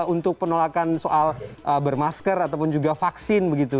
untuk penolakan soal bermasker ataupun juga vaksin begitu